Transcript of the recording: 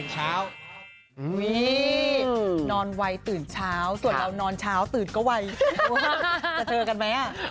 จะเจอกันไหม